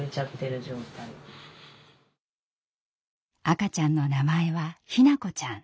赤ちゃんの名前は日向子ちゃん。